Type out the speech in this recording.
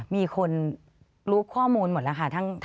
มีคนรู้ข้อมูลหมดแล้วค่ะ